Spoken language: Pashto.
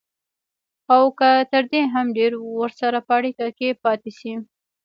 او که تر دې هم ډېر ورسره په اړيکه کې پاتې شي.